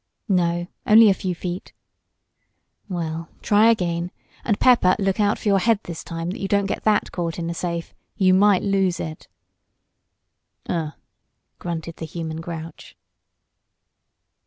"No, only a few feet." "Well, try again. And, Pepper, look out for your head this time, that you don't get that caught in the safe. You might lose it." "Uh!" grunted the human grouch.